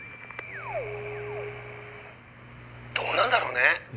んどうなんだろうねえ？